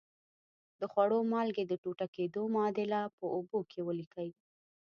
د خوړو مالګې د ټوټه کیدو معادله په اوبو کې ولیکئ.